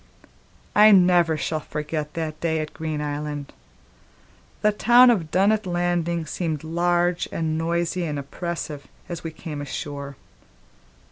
I never shall forget the day at Green Island. The town of Dunnet Landing seemed large and noisy and oppressive as we came ashore.